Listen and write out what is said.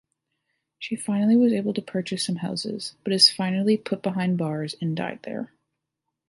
She finally was able to purchase some houses, but is finally put behind bars and died there.